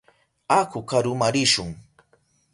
Aku karuma rishun.